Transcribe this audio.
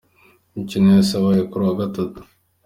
Imikino yose yabaye kuri uyu wa Gatatu.